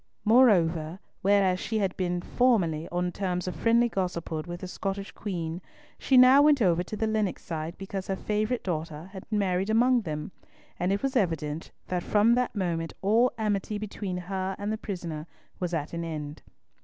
Moreover, whereas she had formerly been on terms of friendly gossiphood with the Scottish Queen, she now went over to the Lennox side because her favourite daughter had married among them; and it was evident that from that moment all amity between her and the prisoner was at an end.